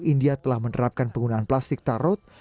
india telah menerapkan penggunaan plastik tarot